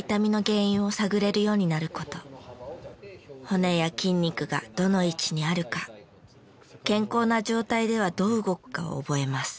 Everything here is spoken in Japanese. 骨や筋肉がどの位置にあるか健康な状態ではどう動くかを覚えます。